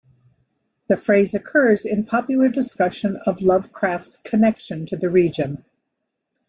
The phrase occurs in popular discussions of Lovecraft's connection to the region.